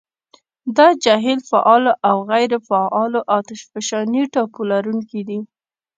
دا جهیل فعالو او غیرو فعالو اتشفشاني ټاپو لرونکي دي.